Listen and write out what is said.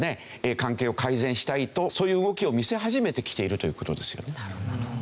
関係を改善したいとそういう動きを見せ始めてきているという事ですよね。